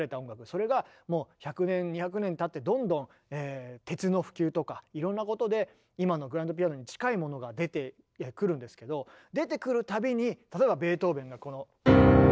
それがもう１００年２００年たってどんどん鉄の普及とかいろんなことで今のグランドピアノに近いものが出てくるんですけど出てくるたびに例えばベートーヴェンがこの。